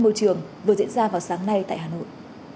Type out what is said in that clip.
môi trường vừa diễn ra vào sáng nay tại hà nội